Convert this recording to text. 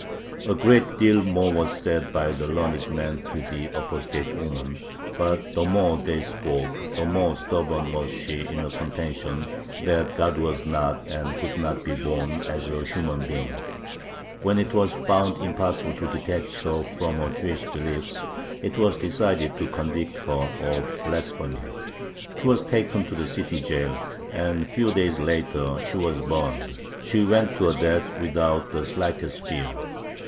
A great deal more was said by the learned men to the apostate woman, but the more they spoke, the more stubborn was she in her contention that God was not and could not be born as a human being. When it was found impossible to detach her from her Jewish beliefs, it was decided to convict her of blasphemy. She was taken to the city jail, and a few days later she was burned. She went to her death without the slightest fear.